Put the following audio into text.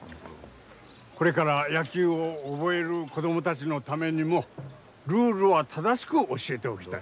これから野球を覚える子供たちのためにもルールは正しく教えておきたい。